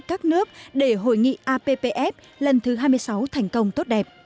các nước để hội nghị appf lần thứ hai mươi sáu thành công tốt đẹp